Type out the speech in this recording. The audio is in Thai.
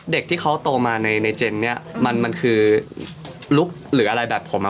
เด็กที่เขาโตมาในเจนเนี่ยมันคือลุคหรืออะไรแบบผมอ่ะ